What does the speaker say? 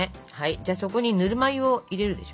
そこにぬるま湯を入れるでしょ。